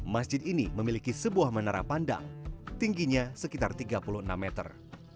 masjid ini memiliki sebuah menara pandang tingginya sekitar tiga puluh enam meter